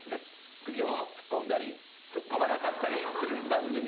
首を突っ込んだり突っ込まなかったりする番組です。